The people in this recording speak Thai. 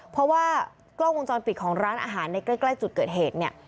เพราะว่ากล้องวงจรปิดของร้านอาหารในใกล้จุดเกิดเหตุเนี่ย